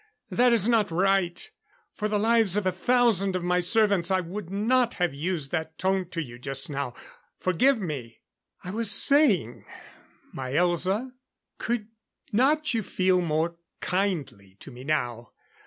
That is not right. For the lives of a thousand of my servants, I would not have used that tone to you just now. Forgive me.... "I was saying, my Elza could not you feel more kindly to me now.